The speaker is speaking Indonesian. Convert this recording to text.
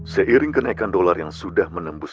seiring kenaikan dolar yang sudah menembus